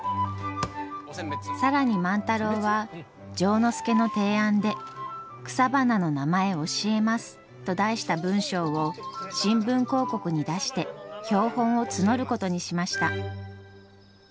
更に万太郎は丈之助の提案で「草花の名前教えます」と題した文章を新聞広告に出して標本を募ることにしました。